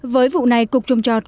với vụ này cục trung chọt